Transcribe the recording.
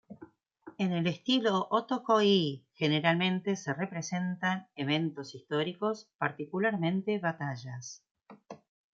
En el estilo "Otoko-e" generalmente se representa eventos históricos, particularmente batallas.